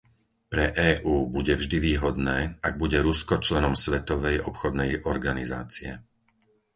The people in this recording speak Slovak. Pre EÚ bude vždy výhodné, ak bude Rusko členom Svetovej obchodnej organizácie.